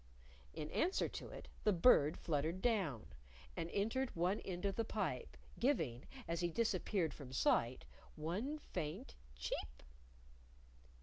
In answer to it, the Bird fluttered down, and entered one end of the pipe, giving, as he disappeared from sight, one faint cheep.